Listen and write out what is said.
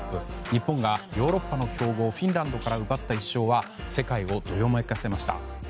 日本がヨーロッパの強豪フィンランドから奪った１勝は世界をどよめかせました。